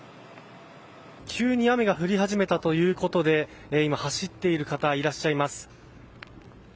急に雨が降り始めたということで今、走っている方がいらっしゃいます。